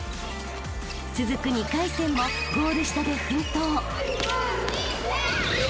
［続く２回戦もゴール下で奮闘］